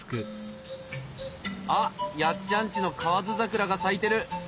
あっやっちゃんちの河津桜が咲いてる！